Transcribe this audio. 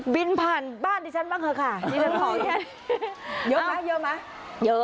บินผ่านบ้านของฉันบ้างคะนี่ท่องใช่ไหม